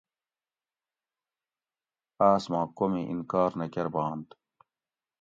آس ما کومی انکار نہ کۤربانت